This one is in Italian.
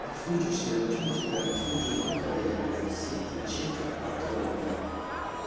Il rifugio si raggiunge dal rifugio Duca degli Abruzzi in circa quattro ore.